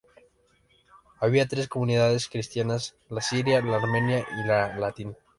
Había tres comunidades cristianas: la siria, la armenia y la latina.